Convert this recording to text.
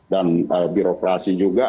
dan birokrasi juga